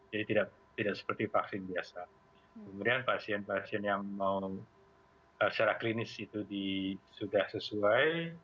jadi tidak seperti vaksin biasa kemudian pasien pasien yang mau secara klinis itu sudah sesuai